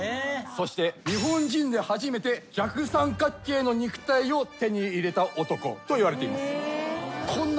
そして日本人で初めて逆三角形の肉体を手に入れた男といわれています。